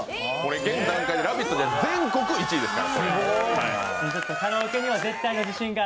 現段階が「ラヴィット！」が全国１位ですから。